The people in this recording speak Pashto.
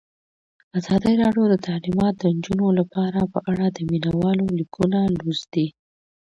ازادي راډیو د تعلیمات د نجونو لپاره په اړه د مینه والو لیکونه لوستي.